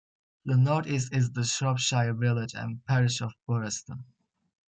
To the northeast is the Shropshire village and parish of Boraston.